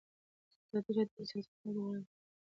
ازادي راډیو د سیاست په اړه د بریاوو مثالونه ورکړي.